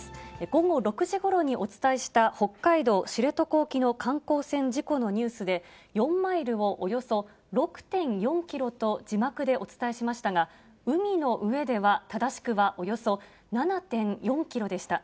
午後６時ごろにお伝えした北海道知床沖の観光船事故のニュースで、４マイルをおよそ６．４キロと字幕でお伝えしましたが、海の上では正しくはおよそ７．４キロでした。